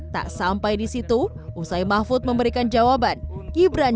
tak sampai di situ usai mahfud memberikan jawaban gibran